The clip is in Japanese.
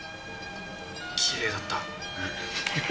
きれいだった。